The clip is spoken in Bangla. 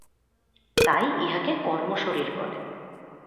তাই ইহাকে কর্ম শরীর বলে।